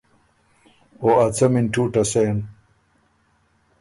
او ا څمی ن ټُوټه سېن